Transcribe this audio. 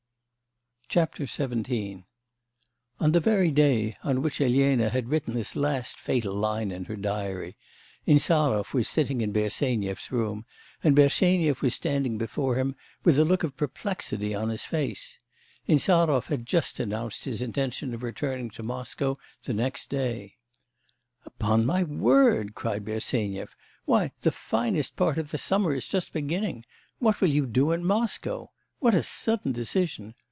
XVII On the very day on which Elena had written this last fatal line in her diary, Insarov was sitting in Bersenyev's room, and Bersenyev was standing before him with a look of perplexity on his face. Insarov had just announced his intention of returning to Moscow the next day. 'Upon my word!' cried Bersenyev. 'Why, the finest part of the summer is just beginning. What will you do in Moscow? What a sudden decision!